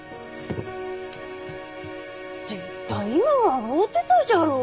絶対今笑うてたじゃろう。